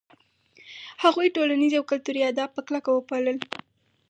هغوی ټولنیز او کلتوري آداب په کلکه وپالـل.